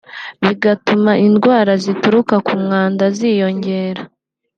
bigatuma indwara zituruka ku mwanda ziyongera